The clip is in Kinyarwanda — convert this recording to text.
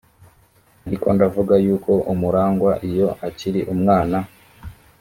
ariko ndavuga yuko umuragwa iyo akiri umwana